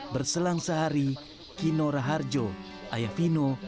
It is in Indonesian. berselang sehari kino raharjo ayah vino